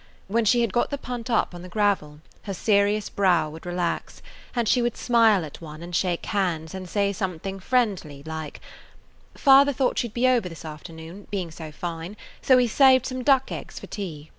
When she had got the punt up on the gravel her serious brow would relax, and she would smile at one and shake hands and say something friendly, like, "Father thought you 'd be over this afternoon, it being so fine; so he 's saved some duck's eggs for tea."